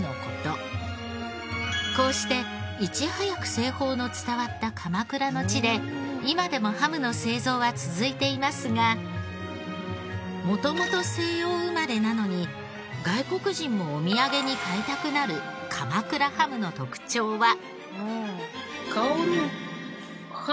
こうしていち早く製法の伝わった鎌倉の地で今でもハムの製造は続いていますが元々西洋生まれなのに外国人もお土産に買いたくなる鎌倉ハムの特徴は。